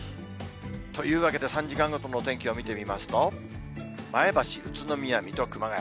というわけで、３時間ごとのお天気を見てみますと、前橋、宇都宮、水戸、熊谷。